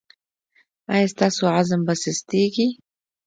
ایا ستاسو عزم به سستیږي؟